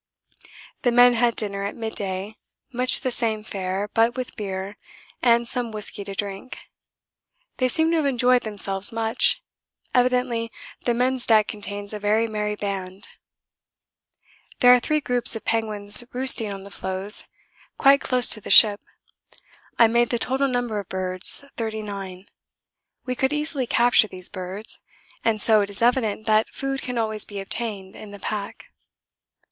The men had dinner at midday much the same fare, but with beer and some whisky to drink. They seem to have enjoyed themselves much. Evidently the men's deck contains a very merry band. There are three groups of penguins roosting on the floes quite close to the ship. I made the total number of birds 39. We could easily capture these birds, and so it is evident that food can always be obtained in the pack.